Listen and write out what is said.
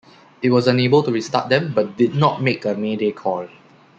It was unable to restart them but did not make a mayday call.